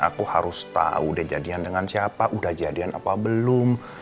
aku harus tahu udah jadian dengan siapa udah jadian apa belum